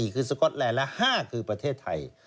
๔คือสก๊อตแลนด์และ๕คือประเทศไทย